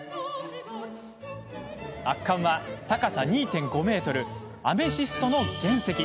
圧巻は、高さ２．５ｍアメシストの原石。